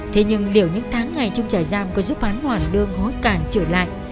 thế nhưng liệu những tháng ngày trung trải giam có giúp hắn hoàn đương hối cản trở lại